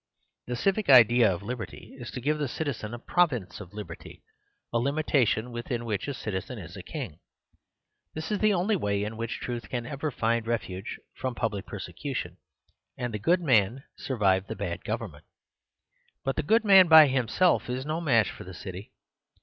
The civic idea of lib erty is to give the citizen a province of lib erty; a limitation within which a citizen is a king. This the only way in which truth can ever find refuge from public persecution, and the good man survive the bad government. But the good man by himself is no match for the city.